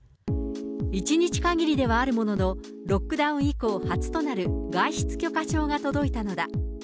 １日限りではあるものの、ロックダウン以降初となる外出許可証が届いたのだ。